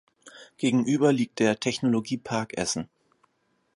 Gegenüber liegt der "Technologie-Park Essen".